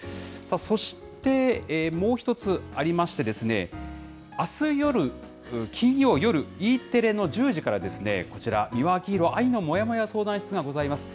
そして、もう１つありまして、あす夜、金曜夜、Ｅテレの１０時から、こちら、美輪明宏愛のモヤモヤ相談室がございます。